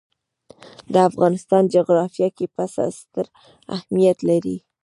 د افغانستان جغرافیه کې پسه ستر اهمیت لري.